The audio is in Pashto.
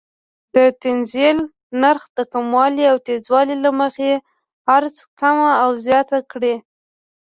د تنزیل نرخ د کموالي او زیاتوالي له مخې عرضه کمه او زیاته کړي.